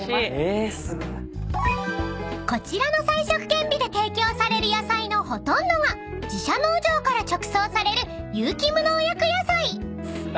［こちらの「菜食健美」で提供される野菜のほとんどが自社農場から直送される有機無農薬野菜］